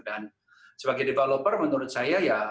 dan sebagai developer menurut saya ya